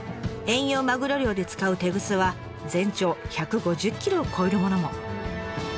遠洋マグロ漁で使うテグスは全長１５０ｋｍを超えるものも。